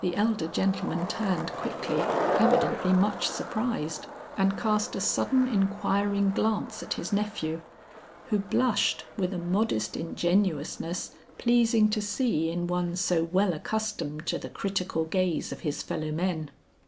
The elder gentleman turned quickly, evidently much surprised, and cast a sudden inquiring glance at his nephew, who blushed with a modest ingenuousness pleasing to see in one so well accustomed to the critical gaze of his fellow men.